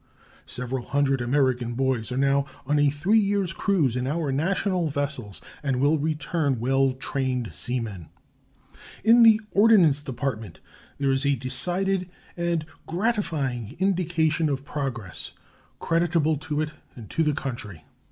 Several hundred American boys are now on a three years' cruise in our national vessels and will return well trained seamen. In the Ordnance Department there is a decided and gratifying indication of progress, creditable to it and to the country.